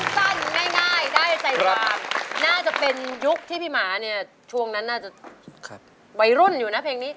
สั้นง่ายได้ใจความน่าจะเป็นยุคที่พี่หมาเนี่ยช่วงนั้นน่าจะวัยรุ่นอยู่นะเพลงนี้